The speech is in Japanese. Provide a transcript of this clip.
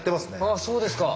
あっそうですか。